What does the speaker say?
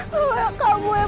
kalau kamu emang mau cedain aku